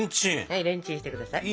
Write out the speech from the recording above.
はいレンチンして下さい。